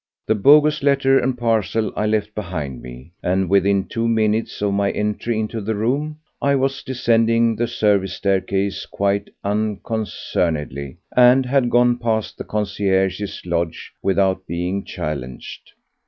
The bogus letter and parcel I left behind me, and within two minutes of my entry into the room I was descending the service staircase quite unconcernedly, and had gone past the concierge's lodge without being challenged.